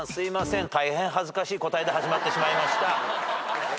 大変恥ずかしい答えで始まってしまいました。